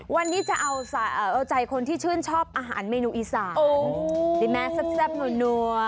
วันนี้จะเอาใจคนที่ชื่นชอบอาหารเมนูอีสาน